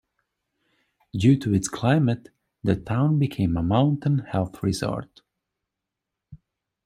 Due to its climate the town became a mountain health resort.